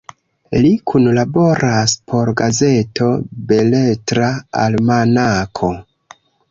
Li kunlaboras por gazeto Beletra Almanako.